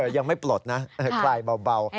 ยังไม่ปลดนะคลายเบา